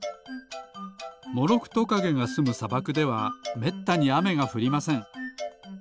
モロクトカゲがすむさばくではめったにあめがふりません。